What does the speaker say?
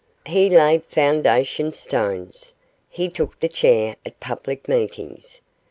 He laid foundation stones. He took the chair at public meetings.